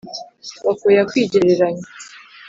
bakoya kwigereranya